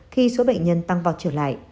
khi số bệnh nhân tăng vọt trở lại